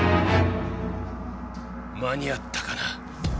間に合ったかな？